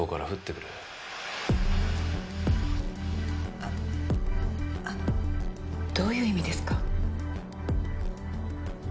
ああのどういう意味ですか？